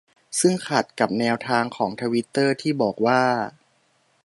ซึ่งขัดกับแนวทางของทวิตเตอร์ที่บอกว่า